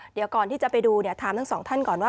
เดี๋ยวก่อนที่จะไปดูเนี่ยถามทั้งสองท่านก่อนว่า